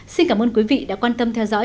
xin cảm ơn quý vị đã quan tâm theo dõi